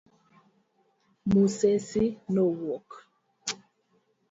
Musesi nowuok